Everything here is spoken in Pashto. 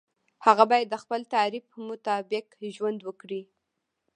هغه باید د خپل تعریف مطابق ژوند وکړي.